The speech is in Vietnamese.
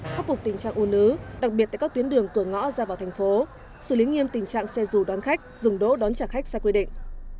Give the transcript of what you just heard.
khắc phục tình trạng u nứ đặc biệt tại các tuyến đường cửa ngõ ra vào thành phố xử lý nghiêm tình trạng xe dù đón khách dừng đỗ đón trả khách sai quy định